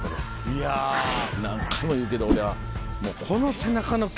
いや何回も言うけど俺は。